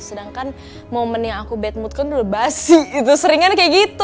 sedangkan momen yang aku bad mood kan udah lebas sih sering kan kayak gitu